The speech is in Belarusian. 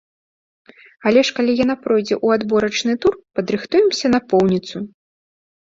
Але ж калі яна пройдзе ў адборачны тур, падрыхтуемся напоўніцу.